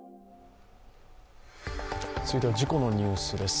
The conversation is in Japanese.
続いては事故のニュースです。